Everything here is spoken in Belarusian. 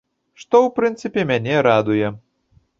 Што, у прынцыпе, мяне радуе.